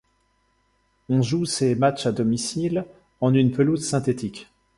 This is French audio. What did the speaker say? On joue ses matchs à domicile en une pelouse synthétique.